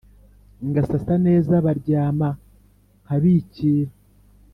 Ngasasa neza baryama nkabikira